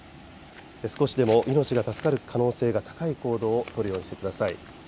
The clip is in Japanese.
少しでも命が助かる可能性が高い行動をとるようにしてください。